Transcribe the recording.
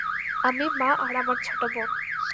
আমি, মা আর আমার ছোট বোন।